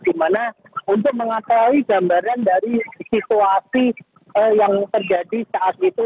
di mana untuk mengatasi gambaran dari situasi yang terjadi saat itu